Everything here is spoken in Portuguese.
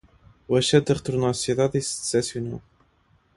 O asceta retornou à sociedade e se decepcionou